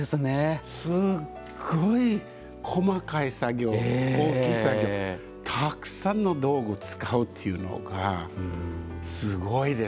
すごい細かい作業大きい作業たくさんの道具を使うというのがすごいですね。